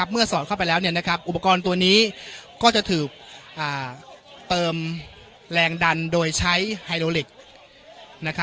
สอดเข้าไปแล้วอุปกรณ์ตัวนี้ก็จะถูกเติมแรงดันโดยใช้ไฮโลลิก